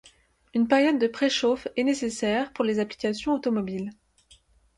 Une période de préchauffe est nécessaire pour les applications automobiles.